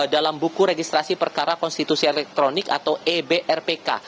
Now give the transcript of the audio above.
dalam buku registrasi perkara konstitusi elektronik atau ebrpk